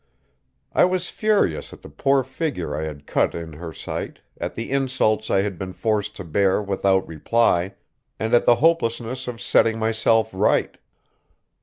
I was furious at the poor figure I had cut in her sight, at the insults I had been forced to bear without reply, and at the hopelessness of setting myself right.